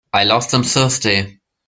I lost them last Thursday.